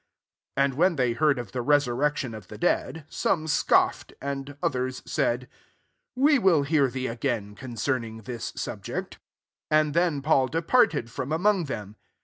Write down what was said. '' 32 And when they heard of the resurrection of the dead, some scoffed : and others said, " We will hear thee again concerning this subject." 33 And then Paul departed from amongthem.